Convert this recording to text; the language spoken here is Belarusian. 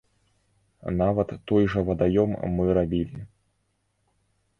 Нават той жа вадаём мы рабілі.